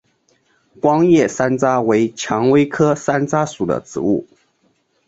光叶山楂为蔷薇科山楂属的植物。